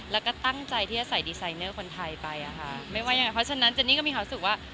แล้วก็ตั้งใจที่จะใส่ดีไซเนอร์คนไทยไปอ่ะค่ะไม่ว่ายังไงเพราะฉะนั้นเจนนี่ก็มีความรู้สึกว่า